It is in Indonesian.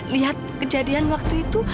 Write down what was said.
lihat kejadian waktu itu